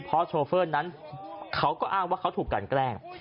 เพราะโชเฟอร์นั้นเขาก็อ้างว่าเขาถูกกันแกล้ง